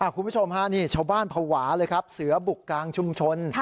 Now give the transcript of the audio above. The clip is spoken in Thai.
คุณผู้ชมฮะนี่ชาวบ้านภาวะเลยครับเสือบุกกลางชุมชน